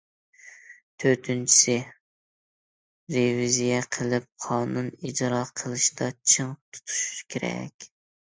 تۆتىنچىسى، رېۋىزىيە قىلىپ قانۇن ئىجرا قىلىشتا چىڭ تۇتۇش كېرەك.